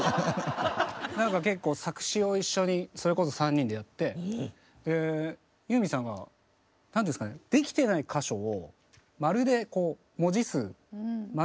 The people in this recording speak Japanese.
なんか結構作詞を一緒にそれこそ３人でやってユーミンさんが何ですかねできてない箇所を「○」でこう文字数「○○○」。